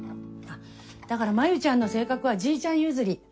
だから真夢ちゃんの性格はじいちゃん譲り。